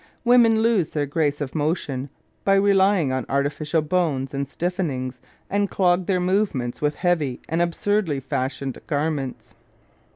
Women lose their grace of motion by relying on arti ficial bones and stiffenings, and clog their movements with heavy and absurdly fashioned garments.